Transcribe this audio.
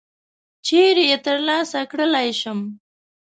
چیري یې ترلاسه کړلای شم ؟